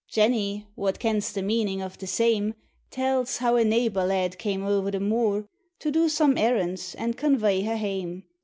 Jenny, wha kens the meaning o' the same, Tells how a neibor lad cam o'er the moor, To do some errands and convoy her hame.